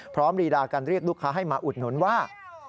รีดากันเรียกลูกค้าให้มาอุดหนุนว่า